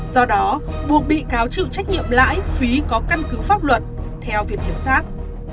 do đó buộc bị cáo chịu trách nhiệm lãi phí có căn cứ pháp luật theo việc hiểm sát